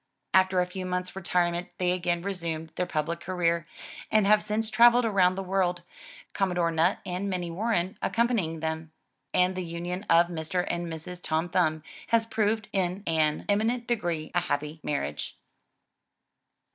After a few months' retirement they again resumed their public career, and have since traveled around the world. Com modore Nutt and Minnie Warren accompanying them. And the union of Mr. and Mrs. Tom Thumb has proved in an eminent degree a happy marriage.